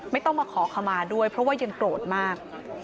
ไม่ต้องมาขอขมาด้วยเพราะว่ายังโกรธมาก